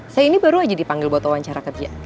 saya ini baru aja dipanggil buat wawancara kerja